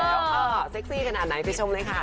เออเออเออเซ็กซี่ขนาดไหนไปชมเลยค่ะ